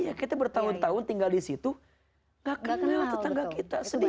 iya kita bertahun tahun tinggal di situ gak kenal tetangga kita sendiri